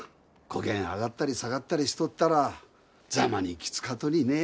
こげん上がったり下がったりしとったらざまにきつかとにね。